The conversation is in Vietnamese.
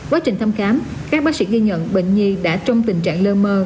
quá trình thăm khám các bác sĩ ghi nhận bệnh nhi đã trong tình trạng lơ mơ